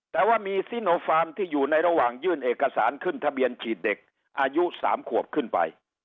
แต่ว่ามีซิโนฟาร์มที่อยู่ในระหว่างยื่นเอกสารขึ้นทะเบียนฉีดเด็กอายุ๓ขวบขึ้นไป